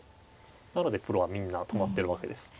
なのでプロはみんな止まってるわけです。